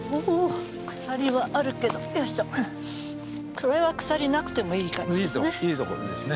これは鎖なくてもいい感じですね。